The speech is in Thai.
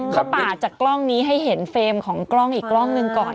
เขาปาดจากกล้องนี้ให้เห็นเฟรมของกล้องอีกกล้องหนึ่งก่อน